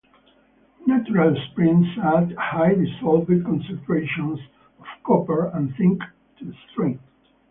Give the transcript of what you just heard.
Natural springs add high dissolved concentrations of copper and zinc to the stream.